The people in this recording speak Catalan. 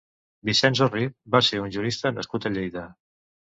Vicenç Orrit va ser un jurista nascut a Lleida.